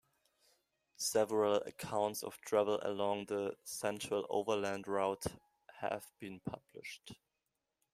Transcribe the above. Several accounts of travel along the Central Overland Route have been published.